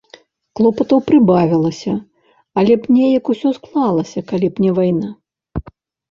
Клопатаў прыбавілася, але б неяк усё склалася, калі б не вайна.